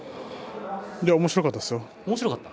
おもしろかったですよ。